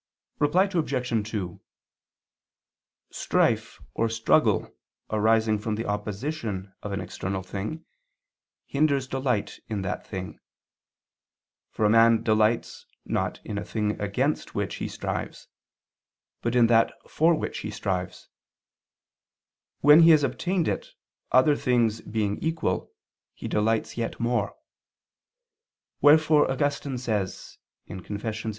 Reply Obj. 2: Strife or struggle arising from the opposition of an external thing, hinders delight in that thing. For a man delights not in a thing against which he strives: but in that for which he strives; when he has obtained it, other things being equal, he delights yet more: wherefore Augustine says (Confess.